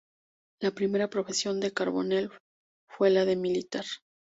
La primera profesión de Carbonell fue la de militar.